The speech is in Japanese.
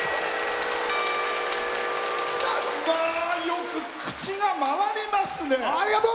よく口が回りますね。